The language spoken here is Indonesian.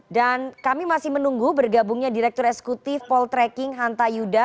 dan kami masih menunggu bergabungnya direktur esekutif poltreking hanta yuda